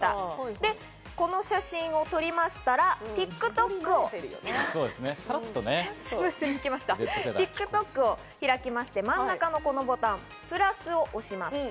で、この写真を撮りましたら、ＴｉｋＴｏｋを開きまして、真ん中のボタン、プラスを押します。